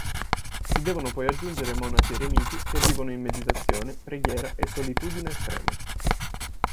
Si devono poi aggiungere monaci eremiti che vivono in meditazione, preghiera e solitudine estrema.